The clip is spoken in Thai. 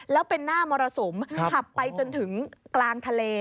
แล้วเป็นหน้ามรสุมขับไปจนถึงกลางทะเล